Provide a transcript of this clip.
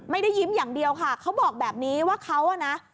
ไม่ได้ยิ้มอย่างเดียวค่ะเขาบอกแบบนี้ว่าเขาอ่ะนะ